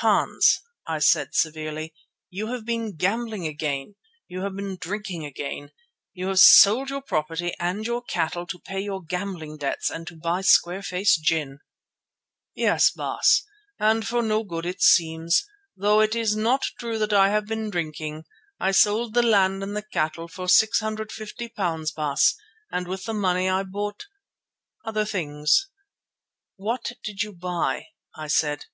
"Hans," I said severely, "you have been gambling again; you have been drinking again. You have sold your property and your cattle to pay your gambling debts and to buy square face gin." "Yes, Baas, and for no good it seems; though it is not true that I have been drinking. I sold the land and the cattle for £650, Baas, and with the money I bought other things." "What did you buy?" I said.